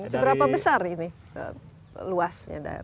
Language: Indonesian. berapa besar ini luasnya daerah